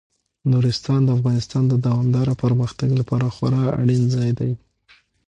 نورستان د افغانستان د دوامداره پرمختګ لپاره خورا اړین ځای دی.